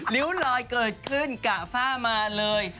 ริ้วลอยเกิดขึ้นกะฝ้ามาเลย